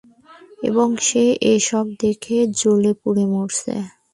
এবং সে এসব দেখে জ্বলে-পুড়ে মরছে।